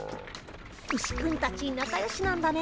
ウシくんたちなかよしなんだね。